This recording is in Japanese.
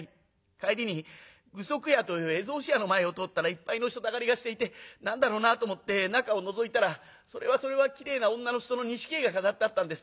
帰りに具足屋という絵草紙屋の前を通ったらいっぱいの人だかりがしていて何だろうなと思って中をのぞいたらそれはそれはきれいな女の人の錦絵が飾ってあったんです。